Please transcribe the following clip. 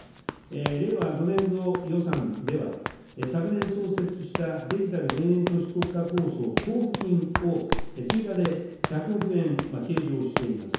令和５年度予算では、昨年、創設したデジタル田園都市国家構想交付金を追加で１００億円計上しております。